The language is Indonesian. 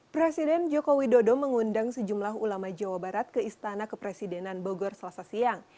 presiden joko widodo mengundang sejumlah ulama jawa barat ke istana kepresidenan bogor selasa siang